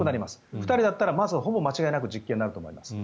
２人だったら間違いなく実刑になると思います。